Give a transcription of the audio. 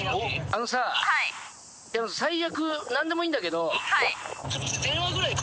あのさ最悪何でもいいんだけど。